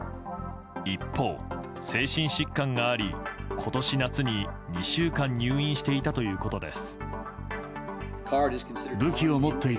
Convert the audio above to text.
一方、精神疾患があり、今年夏に２週間入院していたということです。